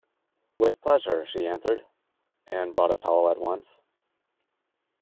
"With pleasure," she answered, and brought a towel at once.